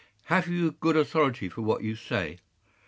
Have you good authority for what you say?